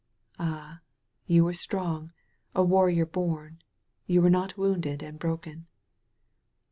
"Ah, you were strong, a warrior bom. You were not wounded and broken."